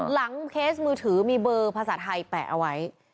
เคสมือถือมีเบอร์ภาษาไทยแปะเอาไว้